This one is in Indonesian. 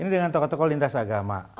ini dengan tokoh tokoh lintas agama